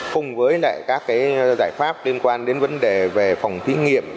phùng với lại các cái giải pháp liên quan đến vấn đề về phòng thí nghiệm